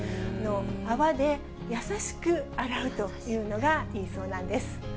泡で優しく洗うというのがいいそうなんです。